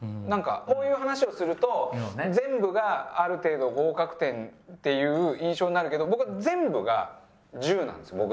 なんかこういう話をすると全部がある程度合格点っていう印象になるけど僕は全部が１０なんです